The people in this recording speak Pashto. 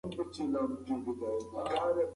اقتصاد د انسان د اړتیاوو پوره کولو لارې ښيي.